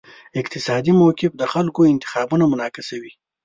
اقتصادي موقف د خلکو انتخابونه منعکسوي.